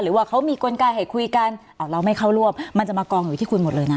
หรือว่าเขามีกลไกให้คุยกันอ้าวเราไม่เข้าร่วมมันจะมากองอยู่ที่คุณหมดเลยนะ